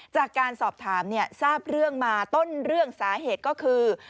จากการสอบถามทราบเรื่องมาต้นเรื่องสาเหตุก็คือ